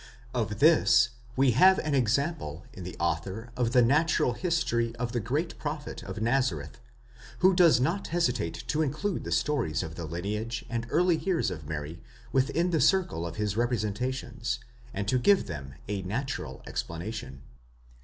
Of this we have an example in the author of the natural history of the great pro phet of Nazareth; who does not hesitate to include the stories of the lineage and early years of Mary within the circle of his representations, and to give them a natural explanation.